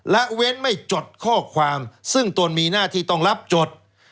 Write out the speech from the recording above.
ละเว้นไม่จดข้อความซึ่งตนมีหน้าที่ต้องรับจด